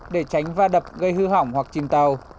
để tránh va đập gây hư hỏng hoặc chìm tàu